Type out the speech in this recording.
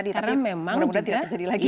jika hal hal seperti ini terjadi